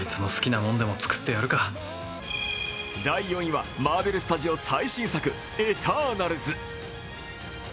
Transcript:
第４位はマーベルスタジオ最新作「エターナルズ」。